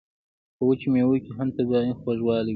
په وچو میوو کې هم طبیعي خوږوالی وي.